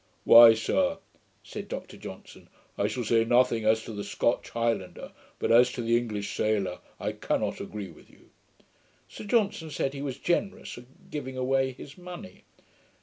'Why, sir,' said Dr Johnson, 'I shall say nothing as to the Scotch highlander; but as to the English sailor, I cannot agree with you.' Sir John said, he was generous in giving away his money.